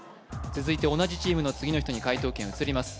続いて同じチームの次の人に解答権移ります